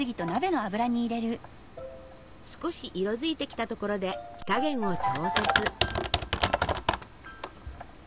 少し色づいてきたところで火加減を調節。